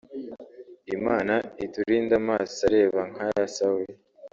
Imana iturinde amaso areba nk’aya Sawuli